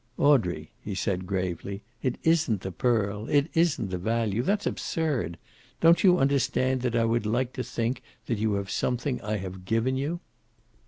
"Audrey," he said gravely, "it isn't the pearl. It isn't its value. That's absurd. Don't you understand that I would like to think that you have something I have given you?"